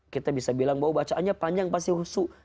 kita bisa bilang bahwa bacaannya panjang pasti husu